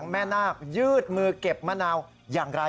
แม่นาคยืดมือเก็บมะนาวอย่างไร